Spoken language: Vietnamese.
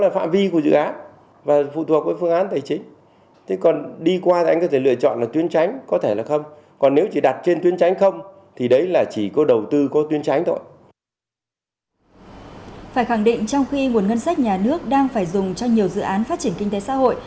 phải khẳng định trong khi nguồn ngân sách nhà nước đang phải dùng cho nhiều dự án phát triển kinh tế xã hội